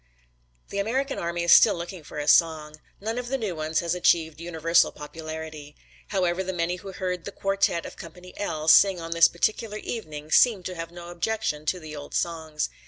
The American army is still looking for a song. None of the new ones has achieved universal popularity. However the many who heard the quartet of Company L sing on this particular evening seemed to have no objection to the old songs.